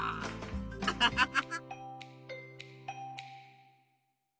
ハハハハハ。